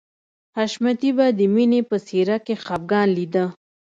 حشمتي به د مینې په څېره کې خفګان لیده